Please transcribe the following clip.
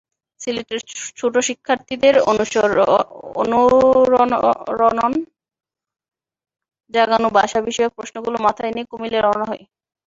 সিলেটের ছোট শিক্ষার্থীদের অনুরণন জাগানো ভাষাবিষয়ক প্রশ্নগুলো মাথায় নিয়ে কুমিল্লায় রওনা হই।